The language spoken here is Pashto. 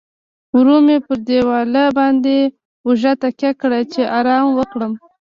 ورو مې پر دیواله باندې اوږې تکیه کړې، چې ارام وکړم.